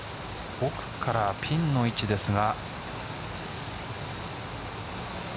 奥からピンの位置ですが。